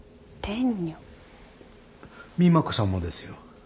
美摩子さんもですよ。